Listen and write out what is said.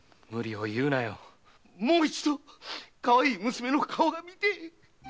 もう一度かわいい娘の顔が見てぇ